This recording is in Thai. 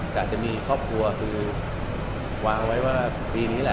อยากจะมีครอบครัววางไว้ว่าปีนี้ล่ะ